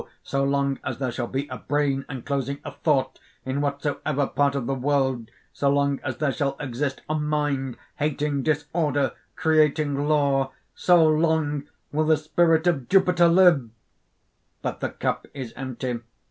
So long as there shall be a brain enclosing a thought, in whatsoever part of the world; so long as there shall exist a mind hating disorder, creating LAW, so long will the spirit of Jupiter live!" (_But the cup is empty.